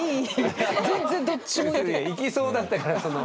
いきそうだったからその。